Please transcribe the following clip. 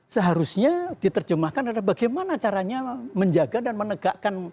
seharusnya diterjemahkan adalah bagaimana caranya menjaga dan menegakkan